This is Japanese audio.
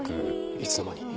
いつの間に。